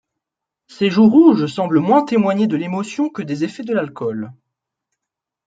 Ses joues rouges semblent moins témoigner de l'émotion que des effets de l'alcool.